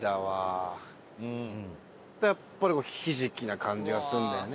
やっぱりひじきな感じがするんだよね。